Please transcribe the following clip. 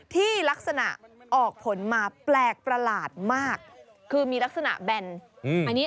ที่ลักษณะออกผลมาแปลกประหลาดมากคือมีลักษณะแบนอันนี้